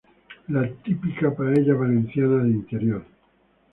La típica paella valenciana de interior.